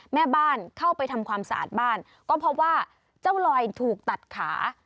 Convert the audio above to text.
แม่บ้านเข้าไปทำความสะอาดบ้านก็พบว่าเจ้าลอยถูกตัดขา